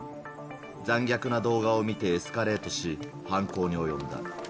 残虐な動画を見てエスカレートし、犯行に及んだ。